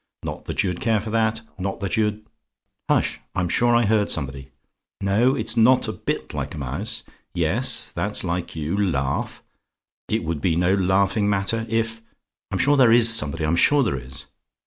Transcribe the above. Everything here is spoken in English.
Not that you'd care for that; not that you'd hush! I'm sure I heard somebody. No; it's not a bit like a mouse. Yes; that's like you laugh. It would be no laughing matter if I'm sure there IS somebody! I'm sure there is!